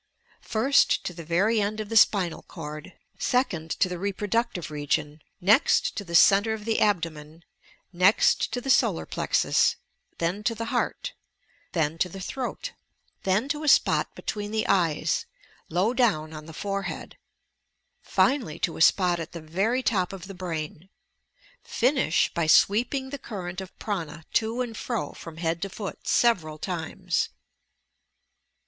First, to the very end of the spinal cord; second to the reproductive region ; next to the centre of the abdo men ; next to the solar plexus ; then to the heart ; then to 352 TOTJR PSYCHIC POWERS the throat; then to a spot between the eyes, low down on the forehead ; Anally, to a spot at the very top of the brain. Finish by sweeping the current of "prana" to and fro from head to foot several times.